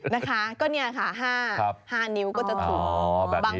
นะคะก็นี่ค่ะห้าห้านิ้วก็จะถู